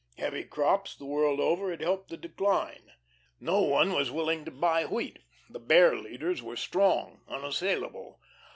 Heavy crops the world over had helped the decline. No one was willing to buy wheat. The Bear leaders were strong, unassailable.